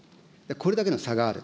これだけの差がある。